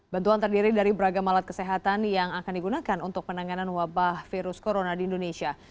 bantuan terdiri dari beragam alat kesehatan yang akan digunakan untuk penanganan wabah virus corona di indonesia